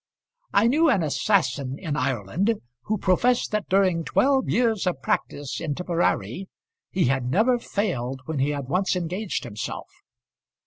I knew an assassin in Ireland who professed that during twelve years of practice in Tipperary he had never failed when he had once engaged himself.